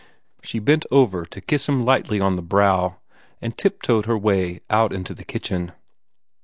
She bent over to kiss him lightly on the brow, and tiptoed her way out into the kitchen.